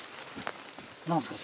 何ですか？